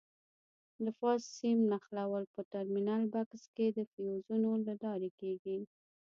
د فاز سیم نښلول په ټرمینل بکس کې د فیوزونو له لارې کېږي.